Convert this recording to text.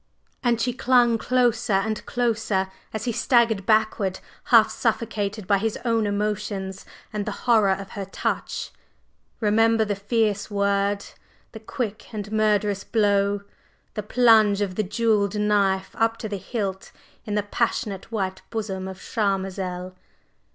and she clung closer and closer as he staggered backward half suffocated by his own emotions and the horror of her touch. "Remember the fierce word! the quick and murderous blow! the plunge of the jewelled knife up to the hilt in the passionate white bosom of Charmazel!